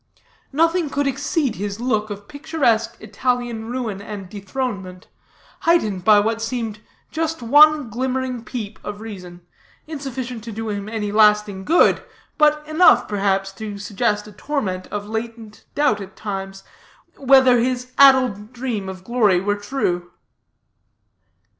Nothing could exceed his look of picturesque Italian ruin and dethronement, heightened by what seemed just one glimmering peep of reason, insufficient to do him any lasting good, but enough, perhaps, to suggest a torment of latent doubts at times, whether his addled dream of glory were true.